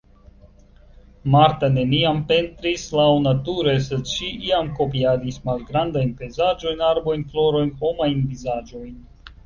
Marta neniam pentris laŭnature, sed ŝi iam kopiadis malgrandajn pejzaĝojn, arbojn, florojn, homajn vizaĝojn.